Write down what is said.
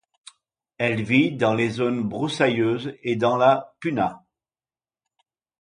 Elle vit dans les zones broussailleuses et dans la puna.